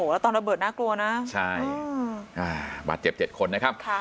แล้วตอนระเบิดน่ากลัวนะใช่บาดเจ็บ๗คนนะครับ